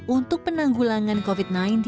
untuk penanggulangan covid sembilan belas